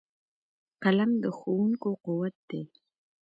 قلم د ښوونکو قوت دی